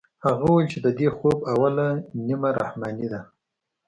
هغه وويل چې د دې خوب اوله نيمه رحماني ده.